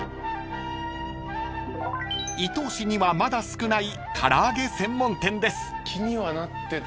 ［伊東市にはまだ少ない唐揚げ専門店です］